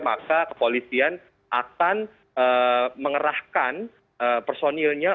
maka kepolisian akan mengerahkan personilnya